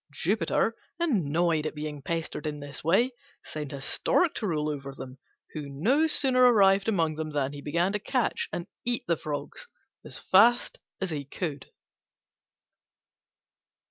Jupiter, annoyed at being pestered in this way, sent a Stork to rule over them, who no sooner arrived among them than he began to catch and eat the Frogs as fast as he could.